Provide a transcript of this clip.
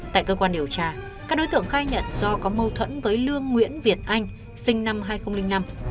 tại cơ quan điều tra các đối tượng khai nhận do có mâu thuẫn với lương nguyễn việt anh sinh năm hai nghìn năm